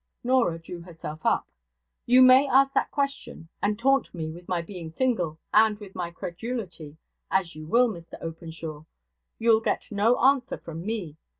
Norah drew herself up. 'You may ask that question, and taunt me with my being single, and with my credulity, as you will, Master Openshaw. You'll get no answer from me.